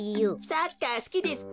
サッカーすきですか？